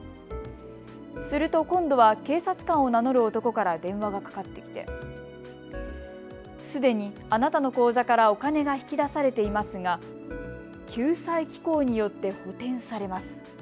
すると今度は警察官を名乗る男から電話がかかってきてすでに、あなたの口座からお金が引き出されていますが救済機構によって補てんされます。